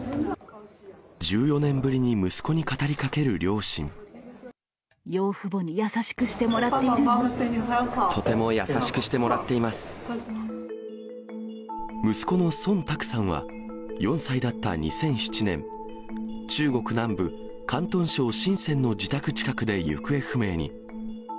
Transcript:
１４年ぶりに息子に語りかけ養父母に優しくしてもらってとても優しくしてもらってい息子の孫卓さんは、４歳だった２００７年、中国南部、広東省深せんの自宅近くで行方不明に。